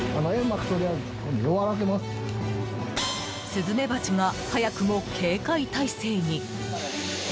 スズメバチが早くも警戒態勢に。